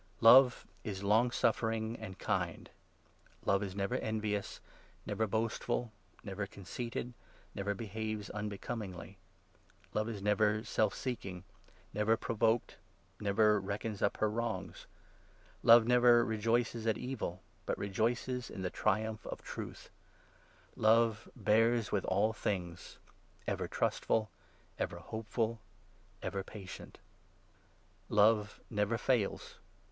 Love is long suffering, and kind ; Love is 4 never envious, never boastful, never conceited, never behaves 5 unbecomingly ; Love is never self seeking, never provoked, never reckons up her wrongs ; Love never rejoices at evil, but 6 rejoices in the triumph of Truth ; Love bears with all things, 7 ever trustful, ever hopeful, ever patient. Love never 8 fails.